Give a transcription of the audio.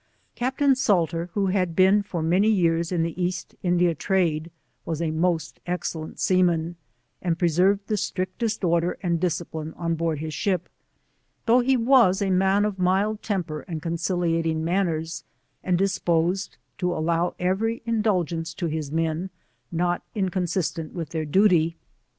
Captain Salter, who had been for many years in the East India trade, was a ^ost excellent seaman, and preserved the strictest order and disci pline on board his ship, though he was a maa of mild temper and conciliating manners, and disposed to allow every indulgence to his men, not inconsistent with their duty.